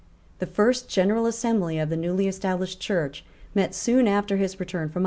The first General Assembly of the newly established Church met soon after his return from Ireland.